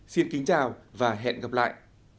xin kính chào và hẹn gặp lại